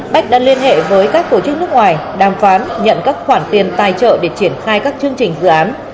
bách đã liên hệ với các tổ chức nước ngoài đàm phán nhận các khoản tiền tài trợ để triển khai các chương trình dự án